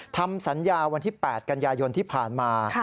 ทำสัญญาวันที่๘กันยายนที่ผ่านมา